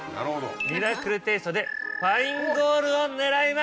ミラクルテイストでファインゴールを狙います。